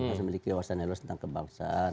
harus memiliki wawasan yang luas tentang kebangsaan